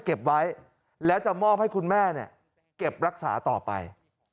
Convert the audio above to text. เก็บไว้แล้วจะมอบให้คุณแม่เก็บรักษาต่อไป